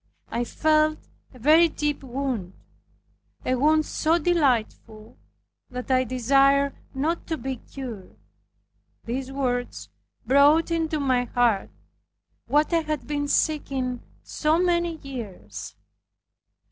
I felt a very deep wound, a wound so delightful that I desired not to be cured. These words brought into my heart what I had been seeking so many years.